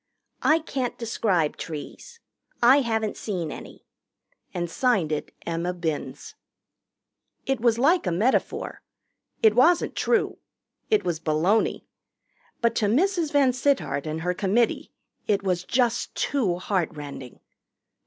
"I can't describe trees. I haven't seen any." And signed it Emma Binns. It was like a metaphor. It wasn't true. It was baloney. But to Mrs. VanSittart and her committee it was just too heart rending.